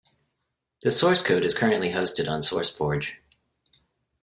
The source code is currently hosted on SourceForge.